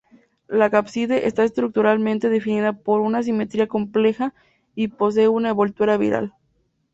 La cápside está estructuralmente definida por una simetría compleja y poseen una envoltura viral.